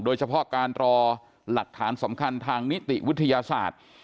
โดยเฉพาะการรอหลักฐานสำคัญทางนิติวิทยาศาสตร์